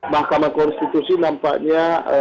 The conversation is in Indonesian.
mahkamah konstitusi nampaknya